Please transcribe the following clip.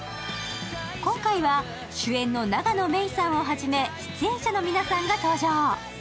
今回は、主演の永野芽郁さんはじめ、出演者の皆さんが登場。